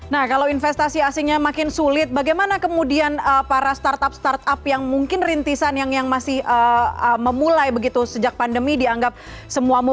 nah kalau investasi asingnya makin sulit bagaimana kemudian para startup startup yang mungkin rintisan yang masih memulai begitu sejak pandemi dianggap semua multi